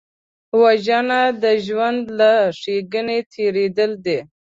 وژنه د ژوند له ښېګڼې تېرېدل دي